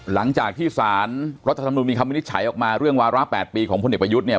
หลังจากที่สารรัฐธรรมนุนมีคำวินิจฉัยออกมาเรื่องวาระ๘ปีของพลเอกประยุทธ์เนี่ย